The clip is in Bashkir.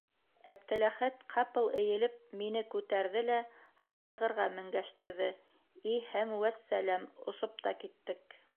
Әптеләхәт ҡапыл эйелеп мине күтәрҙе лә, һарайғырға менгәштерҙе и һәм вәссәләм... осоп та киттек...